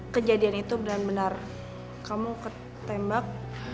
kejadian itu benar benar kamu ketembak